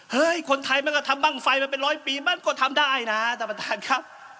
คนไทยมันก็ทำบ้างไฟมาเป็นร้อยปีมันก็ทำได้นะท่านประธานครับ